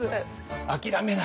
諦めない。